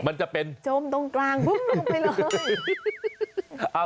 มันจะจมตรงกลางปุ๊บลงไปเลย